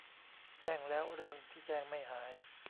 แจ้งแล้วเรื่องที่แจ้งไม่หาย